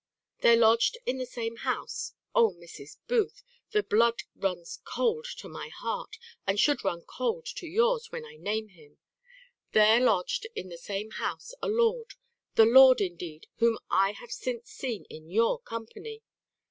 "There lodged in the same house O, Mrs. Booth! the blood runs cold to my heart, and should run cold to yours, when I name him there lodged in the same house a lord the lord, indeed, whom I have since seen in your company.